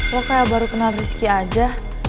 lo kayak baru kenal rizky aja